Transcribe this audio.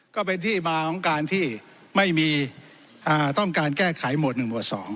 ก็เป็นที่มาของการที่ไม่มีต้องการแก้ไขหมวด๑หวด๒